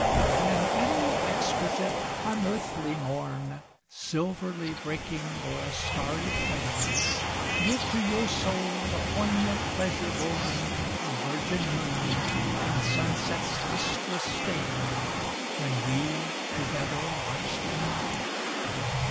94 Can any exquisite, unearthly mom, Silverly breaking o'er a starry plain. Give to your soul the poignant pleasure born Of virgin moon and sunset's lustrous stain When we together watch them?